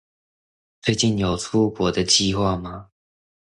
最近有出國的計畫嗎？